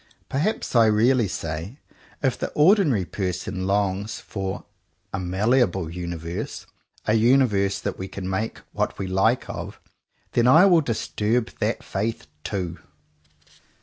Perhaps I really say "if the ordinary person longs for a malleable universe, a universe that we can make what we like of, — then I will dis turb that faith too!"